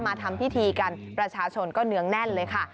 มาทำพิธีกันประชาชนก็เนื้องแน่นเลยค่ะ